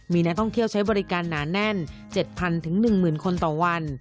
มีนักท่องเที่ยวใช้บริการหนาแน่น๗๐๐๑๐๐คนต่อวัน